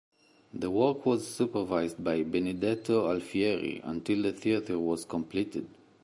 The work was supervised by Benedetto Alfieri until the theatre was completed.